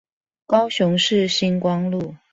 高雄市新光路